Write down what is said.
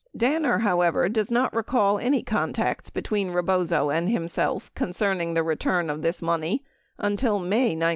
10 Danner, however, does not recall any contacts between Rebozo and himself concerning the return of this money until May 1973.